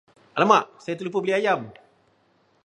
Alamak, saya terlupa beli ayam!